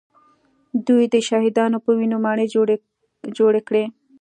دوی د شهیدانو په وینو ماڼۍ جوړې کړې